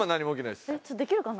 できるかな？